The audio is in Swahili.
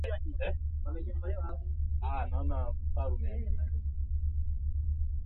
unaweza kuzaa matunda yeyote utawala wa rais benin akinu noinoi